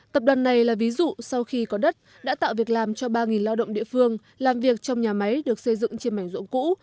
tập đoàn này là ví dụ sau khi có đất đã tạo việc làm cho ba lao động địa phương làm việc trong nhà máy được xây dựng trên mảnh ruộng cũ